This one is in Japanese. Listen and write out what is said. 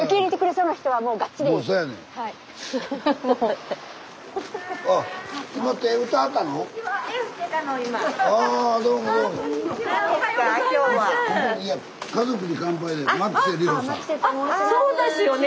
そうですよね。